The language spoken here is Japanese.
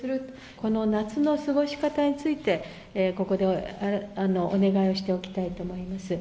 この夏の過ごし方について、ここでお願いをしておきたいと思います。